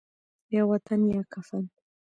یا وطن یا کفن